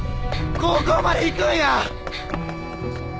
高校まで行くんや！